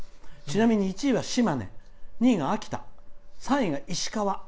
ちなみに１位は島根２位は、秋田３位が石川。